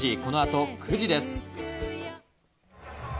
このあと９時です。